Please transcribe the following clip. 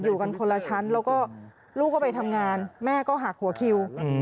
อยู่กันคนละชั้นแล้วก็ลูกก็ไปทำงานแม่ก็หักหัวคิว